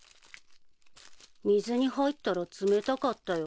水に入ったら冷たかったよ。